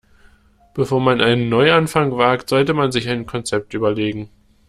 Bevor man einen Neuanfang wagt, sollte man sich ein Konzept überlegen.